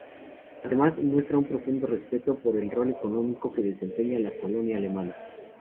Además, muestra un profundo respeto por el rol económico que desempeña la colonia alemana.